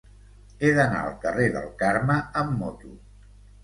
He d'anar al carrer del Carme amb moto.